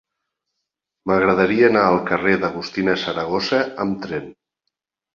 M'agradaria anar al carrer d'Agustina Saragossa amb tren.